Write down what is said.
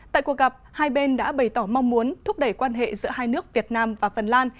tại cuộc gặp hai bên đã bày tỏ mong muốn thúc đẩy quan hệ giữa hai nước việt nam và phần lan